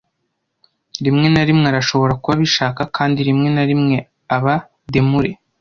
Rimwe na rimwe arashobora kuba abishaka kandi rimwe na rimwe aba demure.